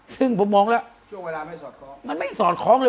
ซึ่งผมมองแล้วช่วงเวลาไม่สอดคล้องมันไม่สอดคล้องเลย